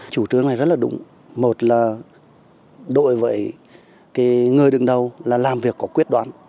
chủ trương này rất là đúng một là đội với người đứng đầu là làm việc có quyết đoán